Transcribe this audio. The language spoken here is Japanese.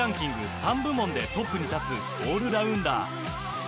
３部門でトップに立つオールラウンダー。